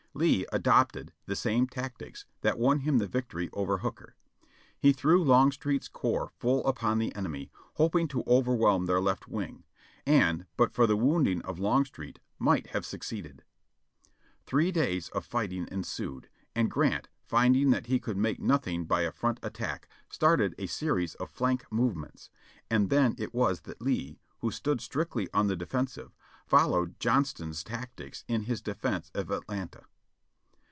Lee adopted the same tactics that won him the victory over Hooker. He threw Longstreet's corps full upon the enemy, hoping to overwhelm their left wing, and but for the wounding of Longstreet, might have succeeded. Three days of fighting ensued, and Grant, finding that he could make nothing by a front attack, started a series of flank movements, and then it was that * Swinton's "Army of the Potomac," page 409. 34 530 JOHNNY REB AND BILLY YANK Lee, who stood strictly on the defensive, followed Johnston's tactics in his defense of Atlanta.